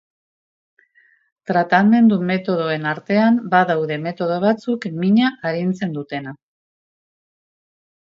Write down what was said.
Tratamendu metodoen artean badaude metodo batzuk mina arintzen dutena.